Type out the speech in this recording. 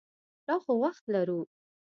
لا خو وخت لرو.